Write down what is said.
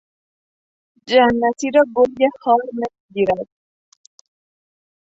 جنتی را گرگ هار نمی گیرد